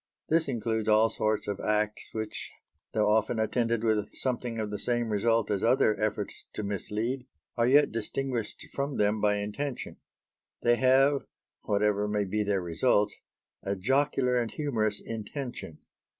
This includes all sorts of acts which, though often attended with something of the same result as other efforts to mislead, are yet distinguished from them by intention. They have whatever may be their results a jocular and humorous intention.